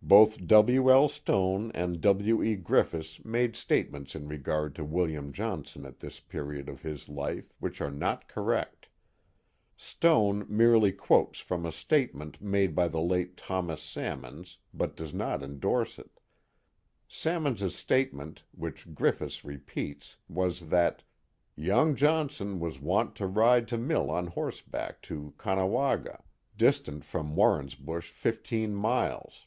Both W. L, Stone and W. E. Griffis made statements in r^ard to William Johnson at this period of his life which are not correct. Stone merely quotes from a statement made by Guy Park and Fort Johnson 133 the late Thomas Sammons, but does not endorse it. Sam mons's statement, which Griffis repeats, was that " young Johnson was wont to ride to mill on horseback to Caughna waga, distant from Warrensbush fifteen miles."